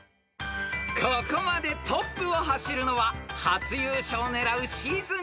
［ここまでトップを走るのは初優勝を狙うシーズン